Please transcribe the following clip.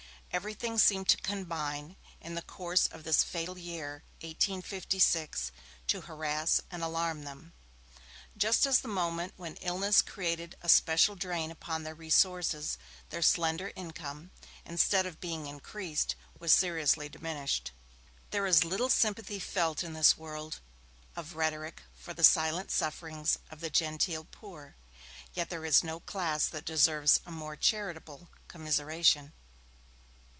Everything seemed to combine, in the course of this fatal year 1856, to harass and alarm them. Just at the moment when illness created a special drain upon their resources, their slender income, instead of being increased, was seriously diminished. There is little sympathy felt in this world of rhetoric for the silent sufferings of the genteel poor, yet there is no class that deserves a more charitable commiseration.